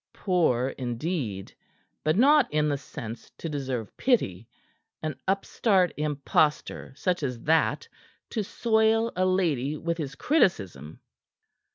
"Poor, indeed; but not in the sense to deserve pity. An upstart impostor such as that to soil a lady with his criticism!"